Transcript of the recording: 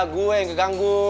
gue yang keganggu